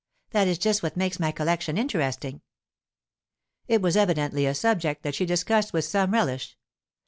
That is just what makes my collection interesting.' It was evidently a subject that she discussed with some relish.